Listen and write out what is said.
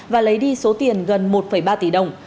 và lấy đi số tiền gần một ba tỷ đồng